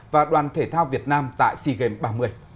và đoàn thể thao việt nam tại sea games ba mươi